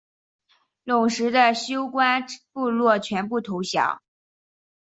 陇右的休官部落全部投降。